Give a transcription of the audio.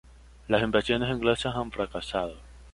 Las invasiones inglesas han fracasado.